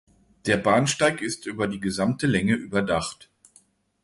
Der Bahnsteig ist über die gesamte Länge überdacht.